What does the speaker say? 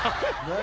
何？